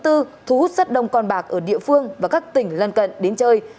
thu hút rất đông con bạc ở địa phương và các tỉnh lân cận đến chơi